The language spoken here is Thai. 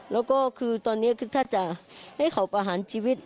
แล้วก็คือตอนนี้ถ้าจะให้เขาประหารชีวิต